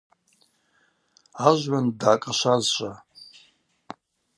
Ажвгӏванд дгӏакӏашвазшва.